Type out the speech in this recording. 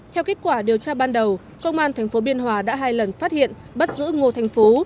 theo kết quả điều tra ban đầu công an tp biên hòa đã hai lần phát hiện bắt giữ ngô thành phú